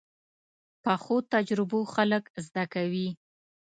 پخو تجربو خلک زده کوي